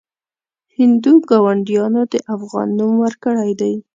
هندو ګاونډیانو د افغان نوم ورکړی دی.